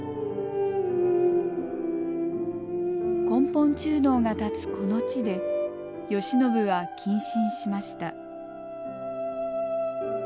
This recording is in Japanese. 根本中堂が建つこの地で慶喜は謹慎しました。